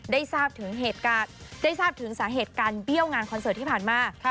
ได้ทราบถึงสาเหตุการเปรี้ยวงานคอนเสิร์ตที่ผ่านมา